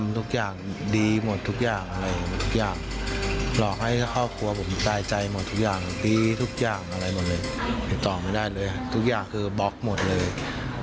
ทุกอย่างอะไรหมดเลยผิดตอบไม่ได้เลยทุกอย่างคือบล็อกหมดเลย